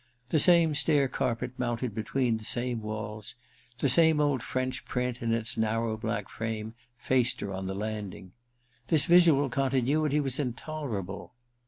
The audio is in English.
The same stair carpet mounted between the same walls ; the same old French print, in its narrow black frame, faced her on the landing. This visual continuity was intolerable.